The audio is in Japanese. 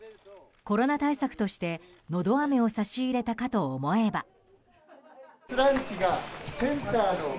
コロナ対策として、のどあめを差し入れたかと思えば。